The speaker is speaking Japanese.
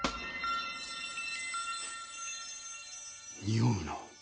におうな。